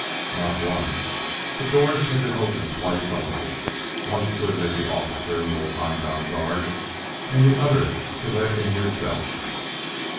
"Not one; the doors have been opened twice only once to admit the officer you will find on guard, and the other to let in yourself."